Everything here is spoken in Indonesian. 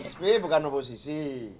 sby bukan oposisi